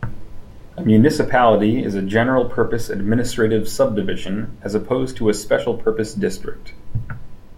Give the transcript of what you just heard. A municipality is a general-purpose administrative subdivision, as opposed to a special-purpose district.